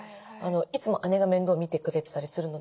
いつも姉が面倒を見てくれてたりするので。